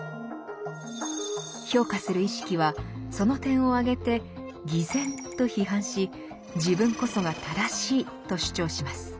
評価する意識はその点を挙げて「偽善」と批判し自分こそが正しいと主張します。